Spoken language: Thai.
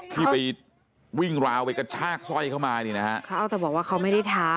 ที่ไปวิ่งราวไปกระชากสร้อยเข้ามานี่นะฮะเขาเอาแต่บอกว่าเขาไม่ได้ท้า